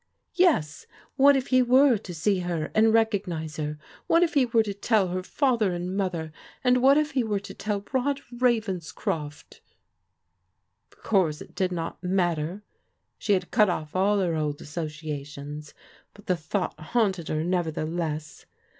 Yes, what if he were to see her and recognize her? What if he were to tell her father and mother, and what if he were to tell Rod Ravenscroft? ... Of course it did not matter. She had cut off all her old associations! but the thought haunted her, nevertheless.